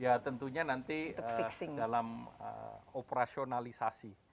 ya tentunya nanti dalam operasionalisasi